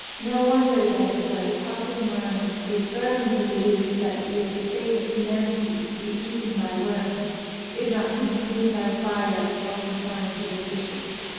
No wonder then that the popular mind is firm in the belief that it is the fate of humanity to be eaten by worms if not consumed by fire or consigned to the fishes.